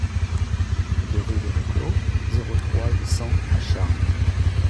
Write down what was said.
deux rue des Reclos, zéro trois, huit cents à Charmes